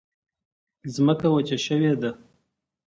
ځمکه وچه شوې ده.